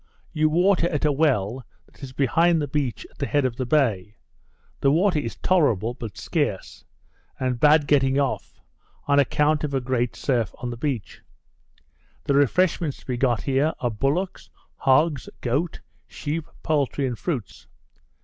You water at a well that is behind the beach at the head of the bay. The water is tolerable, but scarce; and bad getting off, on account of a great surf on the beach. The refreshments to be got here, are bullocks, hogs, goats, sheep, poultry, and fruits.